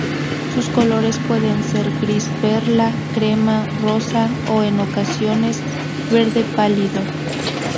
Sus colores pueden ser gris perla, crema, rosa, o, en ocasiones, verde pálido.